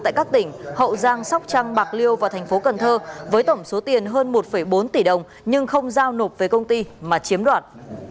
tại các tỉnh hậu giang sóc trăng bạc liêu và tp cn với tổng số tiền hơn một bốn tỷ đồng nhưng không giao nộp về công ty mà chiếm đoạt